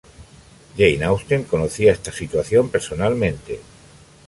Jane Austen conocía esta situación personalmente.